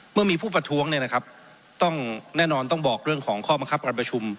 เมื่อมีผู้ประท้วงเนี่ยนะครับต้องแน่นอนต้องบอกเรื่องของข้อบังคับการประชุม